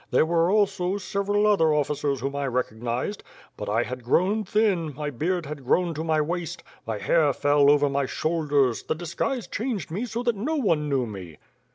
There were also several other officers whom I recognized; but I had grown thin, my beard had grown to my waist, my hair fell over my shoulders, the disguise changed me so that no one knew me."